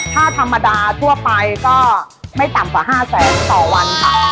ถ้าธรรมดาทั่วไปก็ไม่ต่ำกว่า๕แสนต่อวันค่ะ